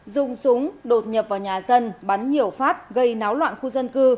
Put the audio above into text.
dùng súng đột nhập vào nhà dân bắn nhiều phát gây náo loạn khu dân cư